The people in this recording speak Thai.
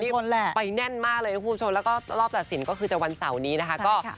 คนแหละไปแน่นมากเลยนะคุณผู้ชมแล้วก็รอบตัดสินก็คือจะวันเสาร์นี้นะคะ